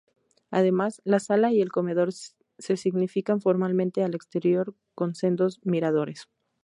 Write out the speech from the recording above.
Además, la sala y el comedor se significan formalmente al exterior con sendos miradores.